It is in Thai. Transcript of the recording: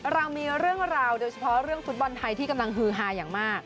เรามีเรื่องราวโดยเฉพาะเรื่องฟุตบอลไทยที่กำลังฮือฮาอย่างมาก